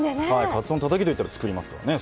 かつおのたたきといったら作りますけどね